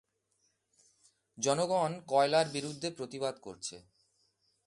জনগণ কয়লার বিরুদ্ধে প্রতিবাদ করছে।